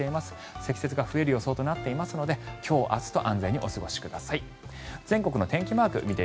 積雪が増える予想となっていますので今日明日と安全にお過ごしください。